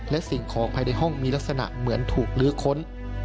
และสิ่งของภายในห้องมีลักษณะเหมือนถูกลื้อค้น